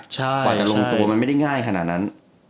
กว่าจะลงตัวมันไม่ได้ง่ายขนาดนั้น